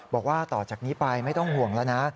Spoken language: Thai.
บอกว่าต่อจากนี้ไปไม่ต้องห่วงแล้วนะ